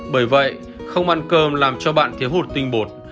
bởi vậy không ăn cơm làm cho bạn thiếu hụt tinh bột